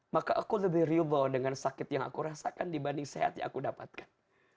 maka aku lebih riudha dengan sakit yang aku rasakan dibanding sehat yang aku dapatkan